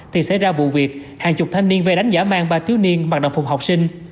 thì xảy ra vụ việc hàng chục thanh niên vây đánh giả mang ba thiếu niên bằng đồng phùng học sinh